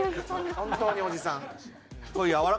本当におじさん。